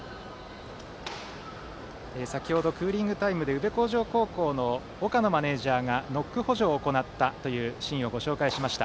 先程、クーリングタイムで宇部鴻城高校の岡野マネージャーがノック補助を行ったシーンをご紹介しました。